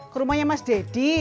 ke rumahnya mas deddy